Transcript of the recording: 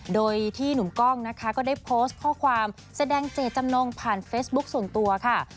โดยที่หนุ่มกล้องนะคะก็ได้โพสต์ข้อความแสดงเจตจำนงผ่านเฟซบุ๊คส่วนตัวค่ะ